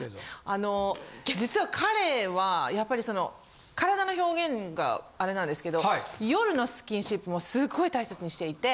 あの実は彼はやっぱりカラダの表現があれなんですけど夜のスキンシップもすごい大切にしていて。